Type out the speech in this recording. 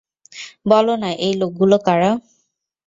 বল না, এই লোকগুলো কারা?